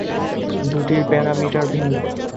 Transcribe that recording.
দুটির প্যারামিটার ভিন্ন।